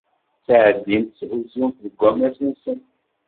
Ttɛeddint tthuzzunt deg ammas-nent.